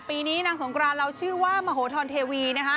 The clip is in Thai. ปีนี้นางสงกรานเราชื่อว่ามโหธรเทวีนะคะ